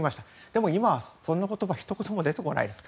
でも、今はそんな言葉ひと言も出てこないです。